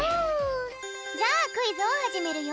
じゃあクイズをはじめるよ！